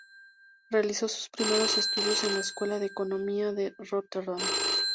Realizó sus primeros estudios en la escuela de economía de Róterdam.